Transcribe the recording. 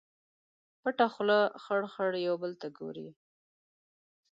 پټه خوله خړ، خړ یو بل ته ګوري